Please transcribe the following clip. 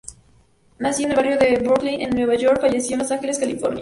Nacido en el barrio de Brooklyn, en Nueva York, falleció en Los Ángeles, California.